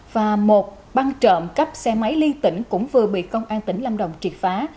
và một băng trộm cắp xe máy ly tỉnh cũng vừa bị công an tỉnh lâm đồng triệt phá